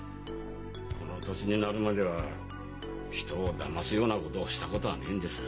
この年になるまでは人をだますようなことをしたことはねえんです。